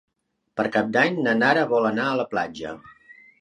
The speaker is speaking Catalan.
Per Cap d'Any na Nara vol anar a la platja.